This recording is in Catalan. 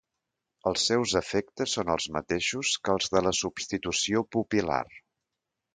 Els seus efectes són els mateixos que els de la substitució pupil·lar.